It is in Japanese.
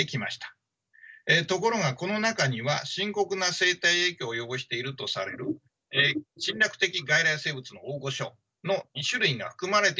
ところがこの中には深刻な生態影響を及ぼしているとされる侵略的外来生物の大御所の２種類が含まれていませんでした。